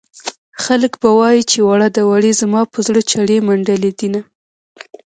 خلک به وايي چې وړه ده وړې زما په زړه چړې منډلې دينه